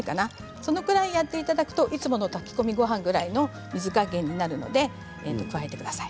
それくらいやっていただくといつもの炊き込みごはんくらいの水加減になるので加えてください。